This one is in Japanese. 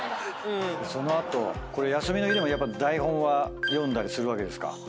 その後休みの日でもやっぱ台本は読んだりするわけですか。